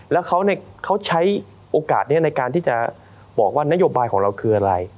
แล้วเขาใช้โอกาสนี้ในการที่จะบอกว่านโยบายของเราคืออะไร